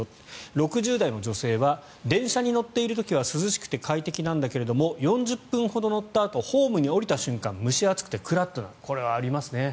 ６０代の女性は電車に乗っている時は涼しくて快適なんだけど４０分ほど乗ったあとホームに降りた瞬間蒸し暑くてクラッとなるこれはありますね。